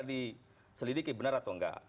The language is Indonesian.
diselidiki benar atau enggak